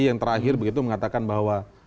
yang terakhir begitu mengatakan bahwa